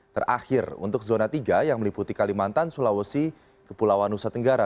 terakhir untuk zona tiga yang meliputi kalimantan sulawesi kepulauan nusa tenggara